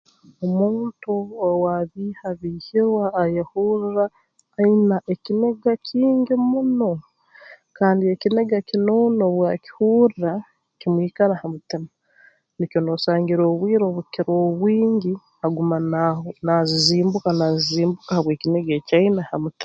Omuntu owaabiihabiihirwe ayehurra aine ekiniga kingi muno kandi ekiniga kinuuna obu akihurra kimwikara ha mutima nikyo noosangira obwire obu kukira obwingi aguma naahu naazizimbuka naazizimbuka habw'ekiniga eki aine ha mutima